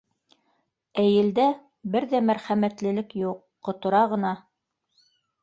Ә елдә бер ҙә мәрхәмәтлелек юҡ — ҡотора ғына!